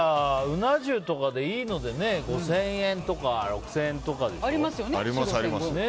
うな重とかでいいので５０００円とか６０００円でしょ。